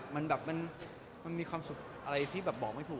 มันมีความสุขอะไรที่บอกไม่ถูก